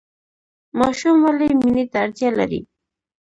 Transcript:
ماشوم ولې مینې ته اړتیا لري؟